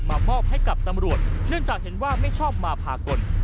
มอบให้กับตำรวจเนื่องจากเห็นว่าไม่ชอบมาพากล